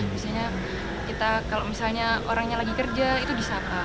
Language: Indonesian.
misalnya kita kalau misalnya orangnya lagi kerja itu disapa